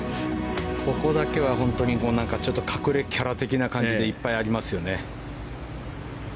ここだけは本当に隠れキャラ的な感じでいっぱいありますよね。